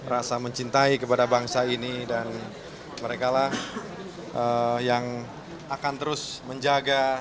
rasa mencintai kepada bangsa ini dan mereka lah yang akan terus menjaga